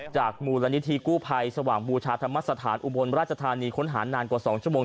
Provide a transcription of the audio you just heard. จากหมู่รณิธีกู้ภัยสว่างบูชาธรรมสถานอุโมนราชธานีค้นหานานกว่าสองชั่วโมง